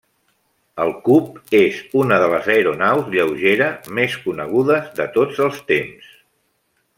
El Cub és una de les aeronaus lleugera més conegudes de tots els temps.